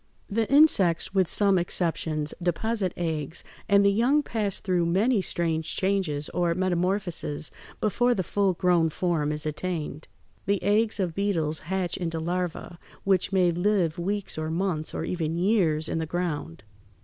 ] The insects, with some exceptions, deposit eggs, and the young pass through many strange changes, or metamorphoses, before the full grown form is attained. The eggs of beetles hatch into larvæ (Fig. 162), which may live weeks or months or even years in the ground.